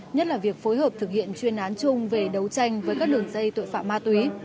nhất là việc phối hợp thực hiện chuyên án chung về đấu tranh với các đường dây tội phạm ma túy